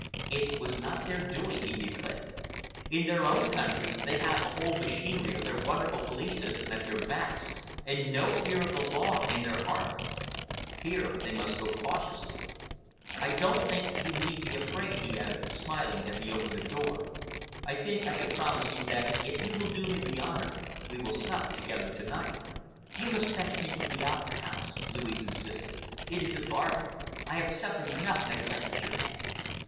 "It was not their doing," he declared. "In their own country, they have the whole machinery of their wonderful police system at their backs, and no fear of the law in their hearts. Here they must needs go cautiously. I don't think you need be afraid," he added, smiling, as he opened the door. "I think I can promise you that if you will do me the honor we will sup together to night." "You must fetch me from the Opera House," Louise insisted. "It is a bargain. I have suffered enough neglect at your hands.